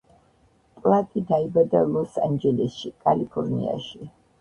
პლატი დაიბადა ლოს-ანჯელესში, კალიფორნიაში.